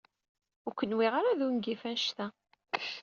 Ur k-nwiɣ ara d ungif annect-a.